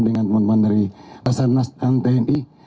dengan teman teman dari basarnas dan tni